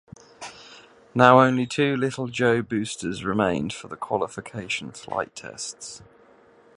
Now only two Little Joe boosters remained for the qualification flight tests.